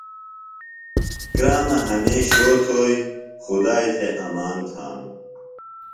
کرامہ ہمیش شو تھوئیۡ، خدائیۡ تھےۡ امان تھانوۡ